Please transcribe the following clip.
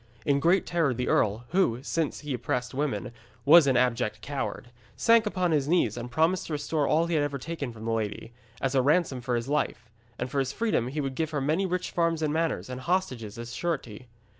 In great terror the earl, who, since he oppressed women, was an abject coward, sank upon his knees and promised to restore all he had ever taken from the lady, as a ransom for his life; and for his freedom he would give her many rich farms and manors, and hostages as surety.